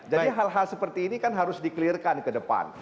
jadi hal hal seperti ini kan harus di clear kan ke depan